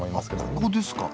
あっここですか。